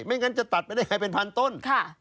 ไม่งั้นจะตัดไม่ได้ใครเป็นพันต้น